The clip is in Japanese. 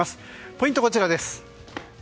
ポイントはこちら。